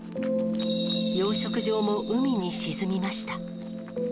養殖場も海に沈みました。